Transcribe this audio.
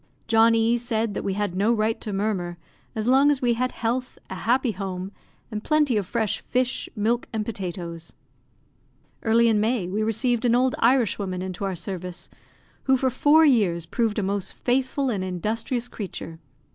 John E said that we had no right to murmur, as long as we had health, a happy home, and plenty of fresh fish, milk, and potatoes. Early in May, we received an old Irishwoman into our service, who for four years proved a most faithful and industrious creature.